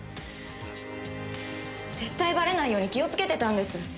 絶対ばれないように気をつけてたんです。